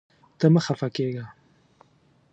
ته مه خفه کېږه.